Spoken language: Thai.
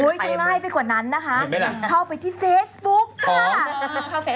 จะง่ายไปกว่านั้นนะคะเข้าไปที่เฟซบุ๊กค่ะ